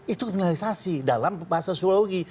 itu kriminalisasi dalam bahasa sosiologi